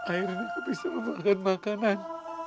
akhirnya kau bisa memakan makanan